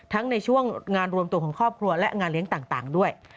ในช่วงงานรวมตัวของครอบครัวและงานเลี้ยงต่างด้วย